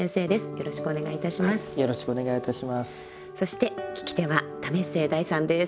よろしくお願いします。